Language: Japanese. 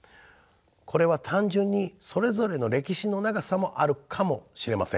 これは単純にそれぞれの歴史の長さもあるかもしれません。